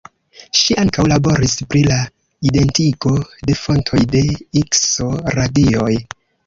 Ŝi ankaŭ laboris pri la identigo de fontoj de ikso-radioj.